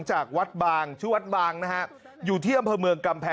จำกัดการลงทะเบียนที่๕๐๐คิวต่อวัน